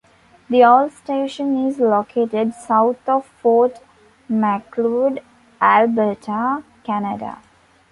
The old station is located south of Fort Macleod, Alberta, Canada.